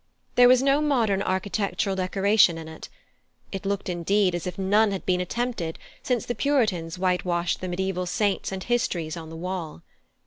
There was no modern architectural decoration in it; it looked, indeed, as if none had been attempted since the Puritans whitewashed the mediaeval saints and histories on the wall.